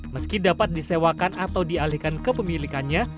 meski dapat disewakan atau dialihkan ke pemilikannya